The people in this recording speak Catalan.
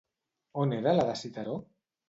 On era la de Citeró?